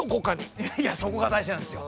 いやいやそこが大事なんですよ。